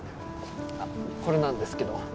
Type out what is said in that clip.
これなんですけど。